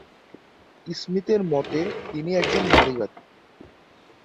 স্মিথের মতে, তিনি একজননারীবাদী।